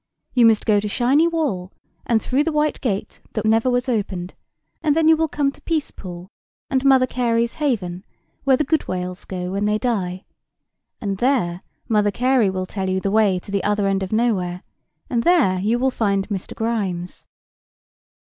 You must go to Shiny Wall, and through the white gate that never was opened; and then you will come to Peacepool, and Mother Carey's Haven, where the good whales go when they die. And there Mother Carey will tell you the way to the Other end of Nowhere, and there you will find Mr. Grimes."